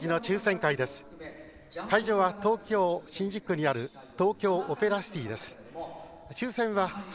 会場は、東京・新宿区にある東京オペラシティです。